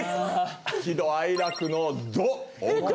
喜怒哀楽の「怒」